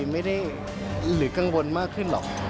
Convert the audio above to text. ไม่ได้หลือกังวลมากขึ้นหรอก